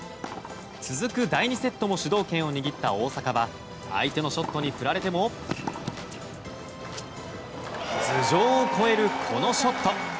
続く第２セットも主導権を握った大坂は相手のショットに振られても頭上を越える、このショット。